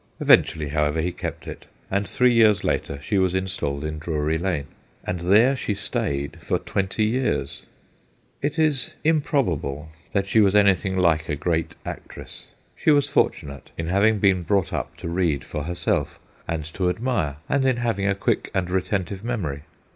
Eventually, however, he kept it ; and three years later she was installed in Drury Lane. And there she stayed for twenty years. It is improbable that she 210 THE GHOSTS OF PICCADILLY was anything like a great actress. She was fortunate in having been brought up to read for herself, and to admire, and in having a quick and retentive memory.